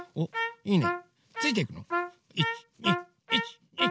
いいね！